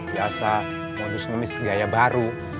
biasa mau terus ngemis gaya baru